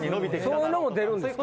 そういうのも出るんですか。